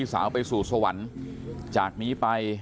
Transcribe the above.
สาวไปสู่สวรรค์จากนี้ไป